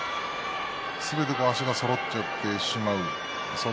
すべて足がそろってしまう。